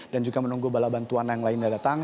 dan juga menunggu bala bantuan yang lain yang datang